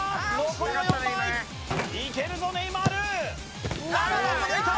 残りは４枚いけるぞネイマール７番も抜いた！